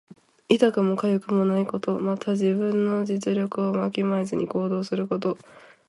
痛くもかゆくもないこと。また、自分の実力をわきまえずに行動すること。